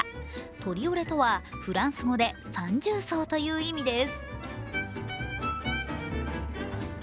トリオレとはフランス語で三重奏という意味です。